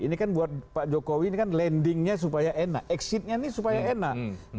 ini kan buat pak jokowi ini kan landingnya supaya enak exitnya ini supaya enak